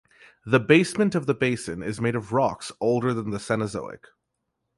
The basement of the basin is made of rocks older than the Cenozoic.